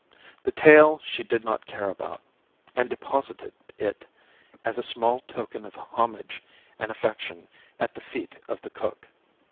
The tail she did not care about, and deposited it, as a small token of homage and affection, at the feet of the cook.